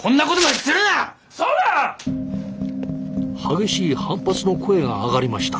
激しい反発の声が上がりました。